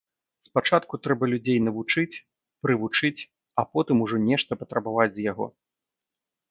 Спачатку трэба людзей навучыць, прывучыць, а потым ужо нешта патрабаваць з яго.